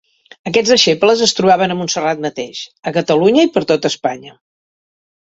Aquests deixebles es trobaven a Montserrat mateix, a Catalunya i per tot Espanya.